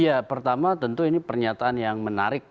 ya pertama tentu ini pernyataan yang menarik